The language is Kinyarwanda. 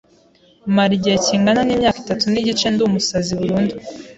mara igihe kingana n’imyaka itatu n’igice ndi umusazi burundu